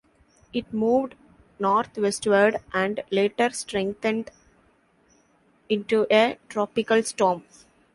It moved northwestward and later strengthened into a tropical storm.